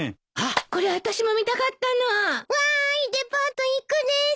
わーいデパート行くです。